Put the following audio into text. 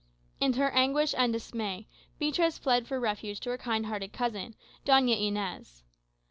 In her anguish and dismay, Beatriz fled for refuge to her kind hearted cousin, Doña Inez.